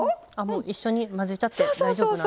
一緒に混ぜちゃって大丈夫なんですね。